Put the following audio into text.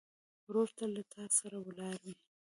ورور تل له تا سره ولاړ وي.